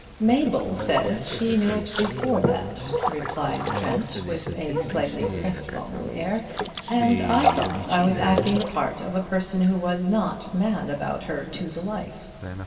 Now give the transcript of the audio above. "Mabel says she knew it before that," replied Trent with a slightly crestfallen air. "And I thought I was acting the part of a person who was not mad about her to the life.